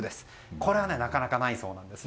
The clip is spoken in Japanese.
これはなかなかないそうです。